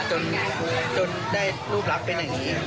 จนได้รูปลักษณ์เป็นอย่างนี้